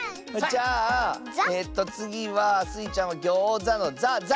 じゃあえっとつぎはスイちゃんは「ギョーザ」の「ざ」。